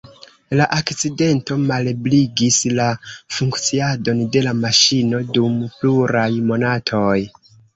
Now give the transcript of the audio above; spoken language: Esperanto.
La akcidento malebligis la funkciadon de la maŝino dum pluraj monatoj.